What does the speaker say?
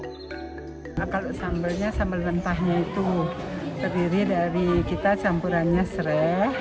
nah kalau sambalnya sambal rempahnya itu terdiri dari kita campurannya serai